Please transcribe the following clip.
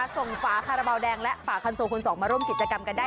ฝาคาราบาลแดงและฝาคันโซคุณสองมาร่วมกิจกรรมกันได้